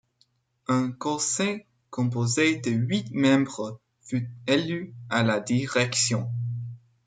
Un conseil composé de huit membres fut élu à la direction.